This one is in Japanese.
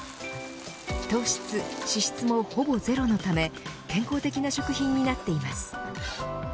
糖質、脂質もほぼゼロのため健康的な食品になっています。